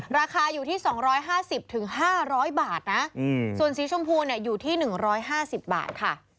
ราคาอยู่ที่๒๕๐๕๐๐บาทนะส่วนสีชมพูอยู่ที่๑๕๐บาทค่ะ